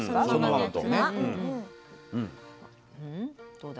どうだ？